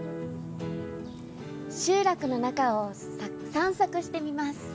集落の中を散策してみます。